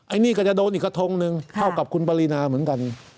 อันนี้ก็จะโดนอีกกระทงหนึ่งเท่ากับคุณปรินาเหมือนกัน